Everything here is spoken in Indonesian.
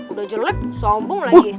udah jelek sombong lagi